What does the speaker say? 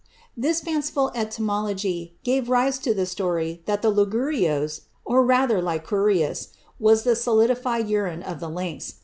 This fanciful etymology gave rise to the story that the ligurios, or rather lyncurius, was the solidified urine of the lynx.